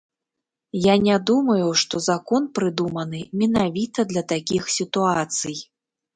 Я не думаю, што закон прыдуманы менавіта для такіх сітуацый.